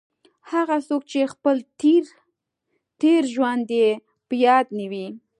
هغه څوک چې خپل تېر ژوند یې په یاد نه وي.